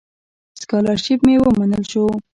سکالرشیپ مې ومنل شو.